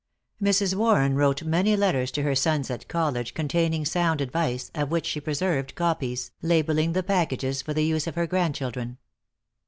Mrs. Warren wrote many letters to her sons at college, containing sound advice, of which she preserved copies, labelling the packages for the use of her grandchildren.